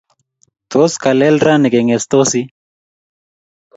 Tos, kalel rani kengetsoti?